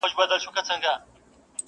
درد له نسل څخه تېرېږي تل,